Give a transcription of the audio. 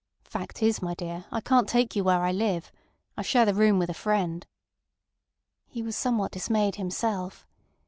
"Fact is, my dear, I can't take you where I live. I share the room with a friend." He was somewhat dismayed himself.